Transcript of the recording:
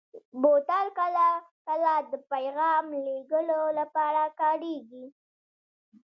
بوتل کله کله د پیغام لېږلو لپاره کارېږي.